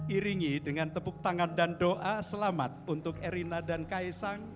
iringi dengan tepuk tangan dan doa selamat untuk erina dan kaisang